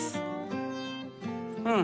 うん。